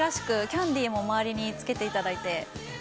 キャンディーも周りにつけていただいて。